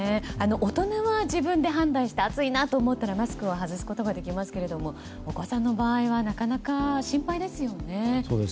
大人は自分で判断して暑いなと思ったらマスクを外すことができますけどもお子さんの場合はなかなか心配ですよね。